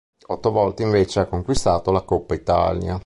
Otto volte invece ha conquistato la Coppa Italia.